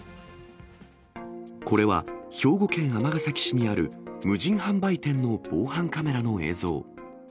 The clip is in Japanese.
これは、兵庫県尼崎市にある無人販売店の防犯カメラの映像。